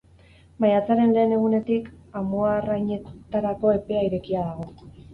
Maiatzaren lehen egunetik, amuarrainetarako epea irekia dago.